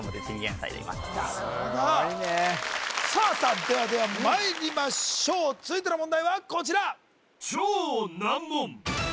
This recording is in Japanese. なるほどすごいねさあさあではではまいりましょう続いての問題はこちら